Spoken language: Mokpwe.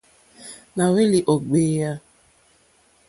Nà hwélì ó ɡbèyà.